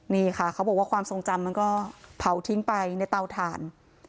นี่ค่ะเขาบอกว่าความทรงจำมันก็เผาทิ้งไปในเตาถ่าน